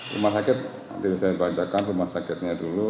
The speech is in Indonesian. rumah sakit nanti saya bacakan rumah sakitnya dulu